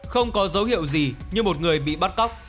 không có dấu hiệu gì như một người bị bắt cóc